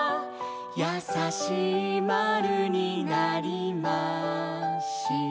「やさしい○になりました」